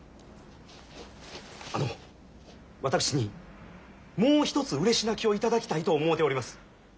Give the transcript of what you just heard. あの私にもう一つうれし泣きを頂きたいと思うております。